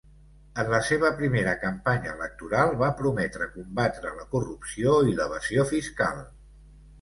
En la seva primera campanya electoral va prometre combatre la corrupció i l'evasió fiscal.